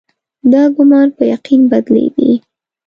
دا ګومان په یقین بدلېدی.